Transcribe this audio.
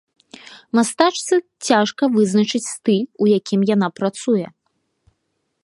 Мастачцы цяжка вызначыць стыль, у якім яна працуе.